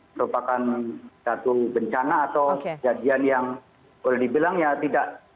merupakan satu bencana atau kejadian yang boleh dibilang ya tidak